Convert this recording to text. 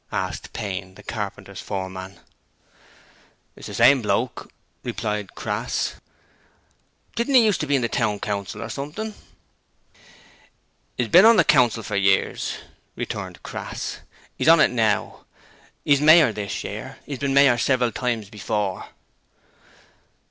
asked Payne, the carpenter's foreman. 'It's the same bloke,' replied Crass. 'Didn't he used to be on the Town Council or something?' ''E's bin on the Council for years,' returned Crass. ''E's on it now. 'E's mayor this year. 'E's bin mayor several times before.'